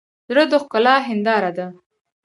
زړه د ښکلا هنداره ده.